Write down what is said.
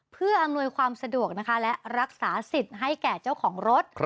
เพื่ออำนวยความสะดวกนะคะและรักษาสิทธิ์ให้แก่เจ้าของรถ